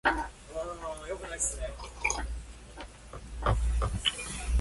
ソルディーニの課にまちがいがあったなどとは、私もあえて主張できないし、またそんなことは信じられなかったのです。